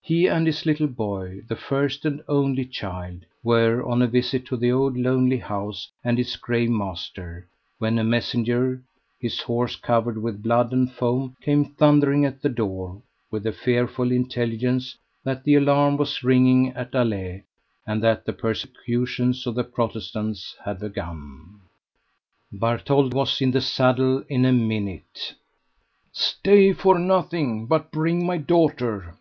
He and his little boy the first and only child were on a visit to the old lonely house and its grave master, when a messenger, his horse covered with blood and foam, came thundering at the door, with the fearful intelligence that the alarm was ringing at Alais, and that the persecutions of the Protestants had begun. Bartholde was in the saddle in a minute. "Stay for nothing, but bring my daughter.